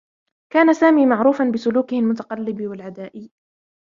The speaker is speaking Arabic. كان سامي معروفا بسلوكه المتقلّب و العدائي.